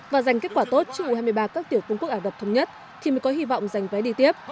và dành kết quả tốt cho u hai mươi ba các tiểu phương quốc ả rập thống nhất thì mới có hy vọng giành vé đi tiếp